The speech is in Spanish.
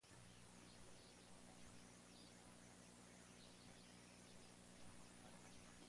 El programa desarrollaba entrevistas en profundidad a miembros destacados del negocio musical.